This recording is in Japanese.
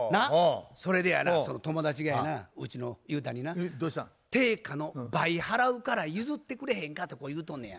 それでやなその友達がやなうちのユウタにな定価の倍払うから譲ってくれへんかってこう言うとんねや。